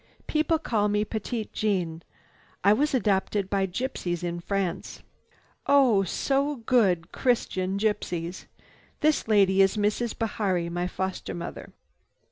People call me Petite Jeanne. I was adopted by gypsies in France. Oh so good, Christian gypsies! This lady is Mrs. Bihari, my foster mother."